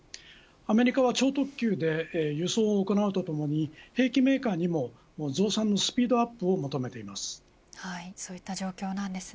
アメリカは超特急で輸送を行うとともに兵器メーカーにも増産のスピードアップを求めています。